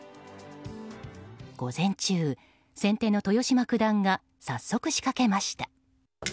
午前中、先手の豊島九段が早速仕掛けました。